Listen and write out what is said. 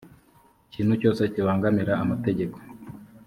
ikintu cyose kibangamira amategeko